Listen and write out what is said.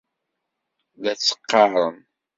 La tt-qqaren.